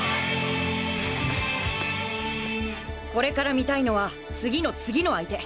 これから見たいのは次の次の相手。